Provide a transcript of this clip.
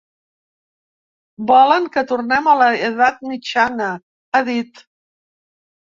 Volen que tornem a l’edat mitjana, ha dit.